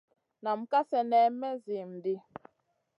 Nam ka slenè may zihim ɗi.